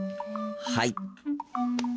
はい。